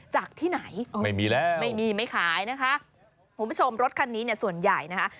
จากที่ไหนไม่มีแล้วไม่มีไม่ขายนะคะคุณผู้ชมรถคันนี้เนี่ยส่วนใหญ่นะคะ